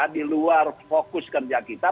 di luar fokus kerja kita